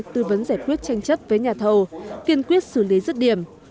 tư vấn giải quyết tranh chấp với nhà thầu kiên quyết xử lý rứt điểm